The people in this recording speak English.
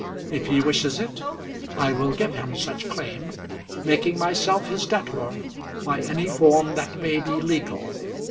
If he wishes it I will give him such claim, making myself his debtor by any form that may be legal.